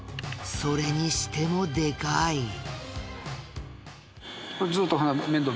それにしてもでかい。